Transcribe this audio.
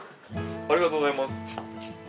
ありがとうございます。